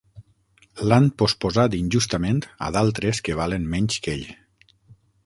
L'han posposat injustament a d'altres que valen menys que ell.